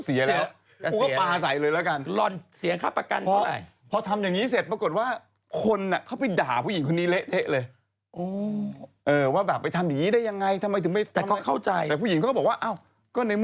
สติ๊กเกอร์อย่างนั้นต้องสติ๊กเกอร์อะไรอย่างนี้